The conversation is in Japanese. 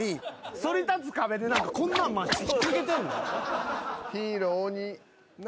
そり立つ壁でこんなん回して引っ掛けてんの。